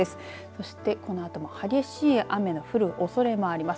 そしてこのあとも激しい雨の降るおそれもあります。